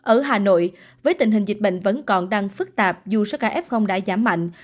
ở hà nội với tình hình dịch bệnh vẫn còn đang phức tạp dù số ca f đã giảm mạnh